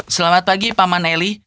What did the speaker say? selamat pagi paman eli